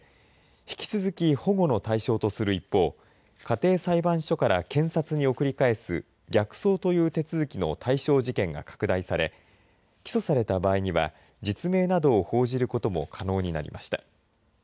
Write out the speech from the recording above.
引き続き保護の対象とする一方家庭裁判所から警察に検察に送り返す逆送という手続きの対象事件が拡大され、起訴された場合には実名などを報じることも可能になりました。